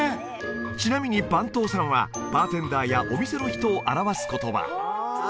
ちなみにバントーサンはバーテンダーやお店の人を表す言葉あ